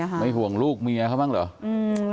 ไม่ห่วงลูกเมียเขาบ้างเหรอ